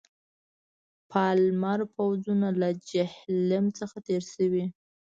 پالمر پوځونه له جیهلم څخه تېر شوي.